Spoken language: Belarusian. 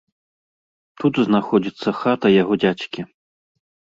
Тут знаходзіцца хата яго дзядзькі.